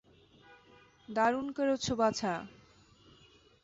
দারুন করেছো, বাছা।